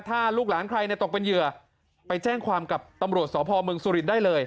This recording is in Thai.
ถ้าลูกหลานใครตกเป็นเหยื่อไปแจ้งความกับตำรวจสพเมืองสุรินทร์ได้เลย